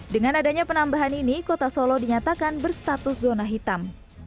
dengan adanya penambahan ini kota solo dinyatakan berstatus zona hitam